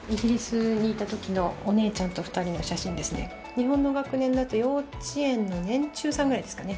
日本の学年だと幼稚園の年中さんぐらいですかね